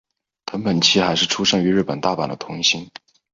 藤本七海是出身于日本大阪的童星。